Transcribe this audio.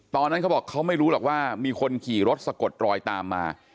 เขาบอกเขาไม่รู้หรอกว่ามีคนขี่รถสะกดรอยตามมา